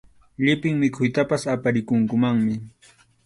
Llipin mikhuytapas aparikunkumanmi.